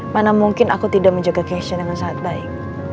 mana mungkin aku tidak menjaga cassion dengan sangat baik